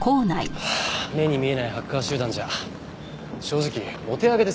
はあ目に見えないハッカー集団じゃ正直お手上げですよ。